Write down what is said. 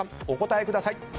お答えください。